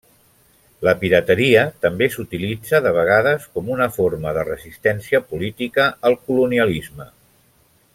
La pirateria també s'utilitzà de vegades com una forma de resistència política al colonialisme.